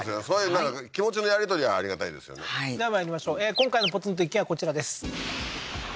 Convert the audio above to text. そういう気持ちのやり取りがありがたいですよねではまいりましょう今回のポツンと一軒家こちらです